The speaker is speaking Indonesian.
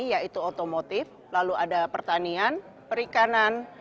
yaitu otomotif lalu ada pertanian perikanan